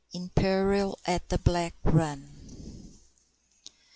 *IN PERIL AT BLACK RUN.